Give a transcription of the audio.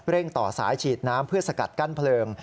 ต่อสายฉีดน้ำเพื่อสกัดกั้นเพลิง